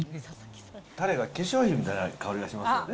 たれが化粧品みたいな香りがしますよね。